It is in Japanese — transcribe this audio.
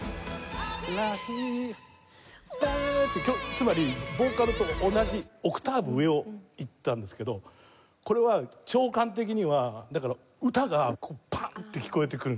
「ラシダーッ」ってつまりボーカルと同じオクターブ上をいったんですけどこれは聴感的にはだから歌が「パーン！」って聞こえてくるんですよ。